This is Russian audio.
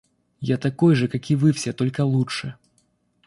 Я такой же, как и вы все, только лучше.